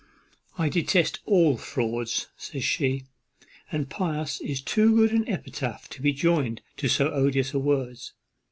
"I detest all fraud," says she; "and pious is too good an epithet to be joined to so odious a word.